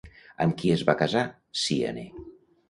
Amb qui es va casar Cíane?